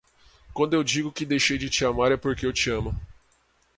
Quando eu digo que deixei de te amar é porque eu te amo